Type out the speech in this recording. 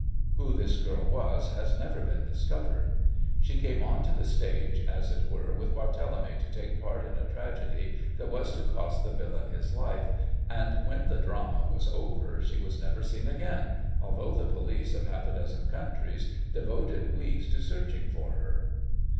Who this girl was has never been discovered. She came on to the stage, as it were, with Barthélemy to take part in a tragedy that was to cost the villain his life, and when the drama was over she was never seen again, although the police of half a dozen countries devoted weeks to searching for her.